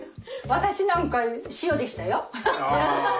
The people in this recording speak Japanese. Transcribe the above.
私なんか塩でしたよ。